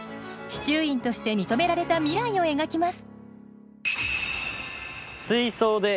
司厨員として認められた未来を描きます。